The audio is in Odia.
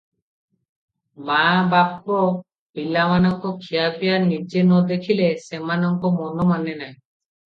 ମା- ବାପ ପିଲାମାନଙ୍କ ଖିଆ ପିଆ ନିଜେ ନଦେଖିଲେ ସେମାନଙ୍କ ମନ ମାନେ ନାହିଁ ।